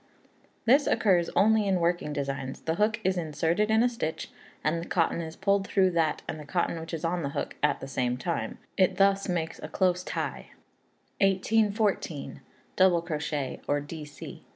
This occurs only in working designs; the hook is inserted in a stitch, and the cotton is pulled through that and the cotton which is on the hook at the same time; it thus makes a close tie. 1814. Double Crochet, or Dc.